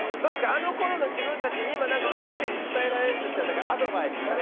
あの頃の自分たちに今なんかメッセージ伝えられるとしたらなんかアドバイスとかね。